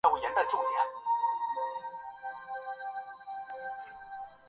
全港三间分店都位于中高档商场内。